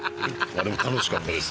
でも楽しかったです。